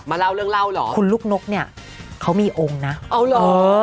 เล่าเรื่องเล่าเหรอคุณลูกนกเนี่ยเขามีองค์นะเอาเหรอ